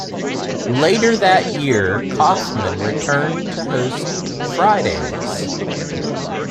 Later that year, Kaufman returned to host "Fridays".